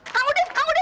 kak udin kak udin